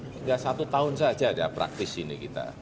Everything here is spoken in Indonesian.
tinggal satu tahun saja ada praktis ini kita